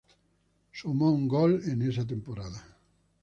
Sumó un gol en esta temporada.